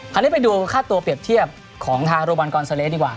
ไปดูค่าตัวเปรียบเทียบของทางโรบันกอนซาเลสดีกว่า